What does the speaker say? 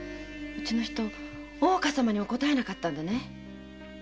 うちの人大岡様にも答えなかったんだね。